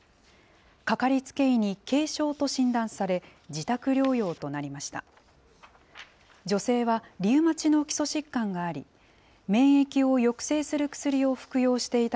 かかりつけ医に軽症と診断され、自宅療養となりました。